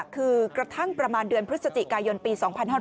คือกระทั่งประมาณเดือนพฤศจิกายนปี๒๕๕๙